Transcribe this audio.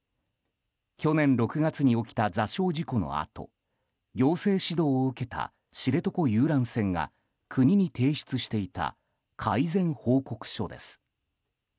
去年６月に起きた座礁事故のあと行政指導を受けた知床遊覧船が国に提出していた改善報告書です。